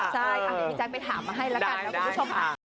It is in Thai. ใช่ค่ะพี่แจ๊คไปถามมาให้แล้วกัน